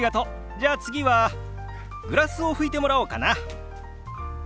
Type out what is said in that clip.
じゃあ次はグラスを拭いてもらおうかな。